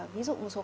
ví dụ một số